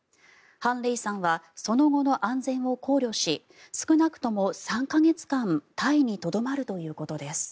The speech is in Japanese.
ハン・レイさんはその後の安全を考慮し少なくとも３か月間タイにとどまるということです。